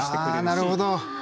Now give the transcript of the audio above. あなるほど。